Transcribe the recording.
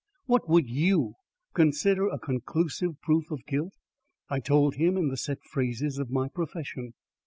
What would YOU consider a conclusive proof of guilt?" I told him in the set phrases of my profession.